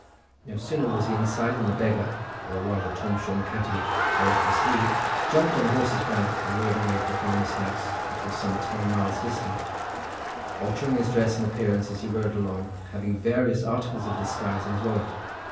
No sooner was he inside than the beggar, or rather Tom Shone Catti, for it was he, jumped on the horse's back, and rode away to the farmer's house, which was some ten miles distant, altering his dress and appearance as he rode along, having various articles of disguise in his wallet.